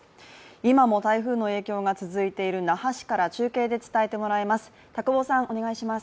今も台風の影響が続いている那覇市から中継で伝えてもらいます。